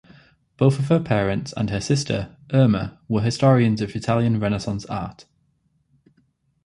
Both of her parents and her sister, Irma, were historians of Italian Renaissance art.